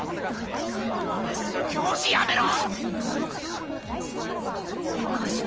今すぐ教師やめろ！！